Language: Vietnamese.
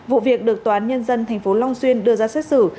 vụ việc được tòa án nhân dân thành phố long xuyên đưa ra xét xử